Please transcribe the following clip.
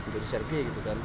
jadi sergi gitu kan